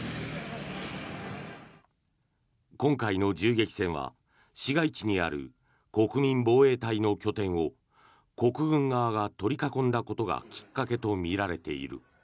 今回の銃撃戦は市街地にある国民防衛隊の拠点を国軍側が取り囲んだことがきっかけとみられている。